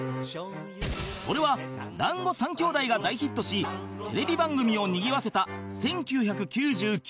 それは『だんご３兄弟』が大ヒットしテレビ番組をにぎわせた１９９９年